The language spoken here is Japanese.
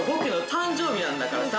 誕生日なんだから。